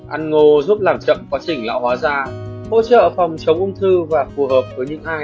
ăn ngô giúp làm chậm quá trình lão hóa da hỗ trợ phòng chống ung thư và phù hợp với những ai